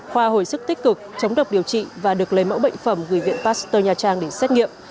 khoa hồi sức tích cực chống độc điều trị và được lấy mẫu bệnh phẩm gửi viện pasteur nha trang để xét nghiệm